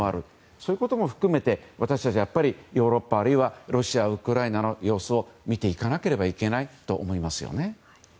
そういうことも含めて私たちはヨーロッパあるいはロシア、ウクライナの様子を見ていかないといけないと思いますよね。